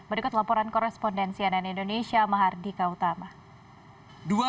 berikut laporan korespondensi ann indonesia mahardika utama